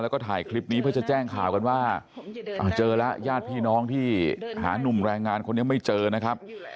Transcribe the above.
แล้วก็ถ่ายคลิปนี้เพื่อจะแจ้งข่าวกันว่าเจอแล้วญาติพี่น้องที่หานุ่มแรงงานคนนี้ไม่เจอนะครับ